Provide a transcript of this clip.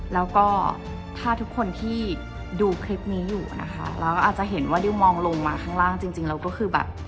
แล้วก็ถ้าทุกคนที่ดูคลิปนี้อยู่นะคะเราก็อาจจะเห็นว่าดิวมองลงมาข้างล่างจริงแล้วก็คือแบบ